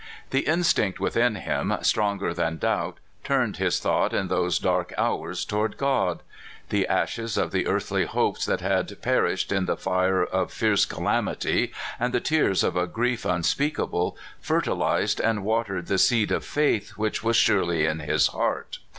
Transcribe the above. The instinct within him, stronger than doubt, turned his thought in those dark hours toward God. The ashes of the earthly hopes that had perished in the fire of fierce calamity, and the tears of a grief unspeakable, fertilized and watered the seed of faith which was surely in his heart.